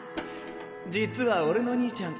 実はオレの兄ちゃん